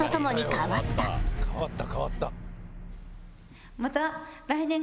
「変わった変わった」